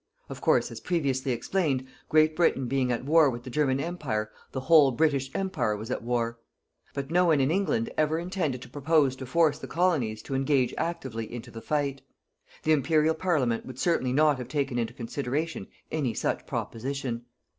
Of course, as previously explained, Great Britain being at war with the German Empire, the whole British Empire was at war. But no one in England ever intended to propose to force the colonies to engage actively into the fight. The Imperial Parliament would certainly not have taken into consideration any such proposition.